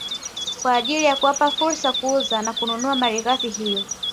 Kwa ajili ya kuwapa fursa kuuza na kununua malighafi hiyo